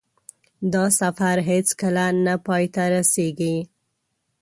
دا سفر هېڅکله نه پای ته رسېږي.